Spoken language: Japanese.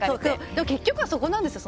でも結局はそこなんですよ